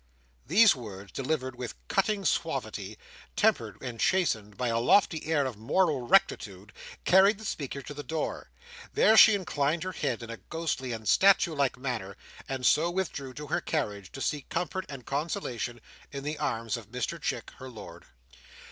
These words, delivered with cutting suavity, tempered and chastened by a lofty air of moral rectitude, carried the speaker to the door. There she inclined her head in a ghostly and statue like manner, and so withdrew to her carriage, to seek comfort and consolation in the arms of Mr Chick, her lord.